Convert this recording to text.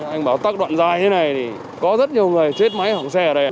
anh bảo tắc đoạn dài thế này thì có rất nhiều người chết máy hỏng xe ở đây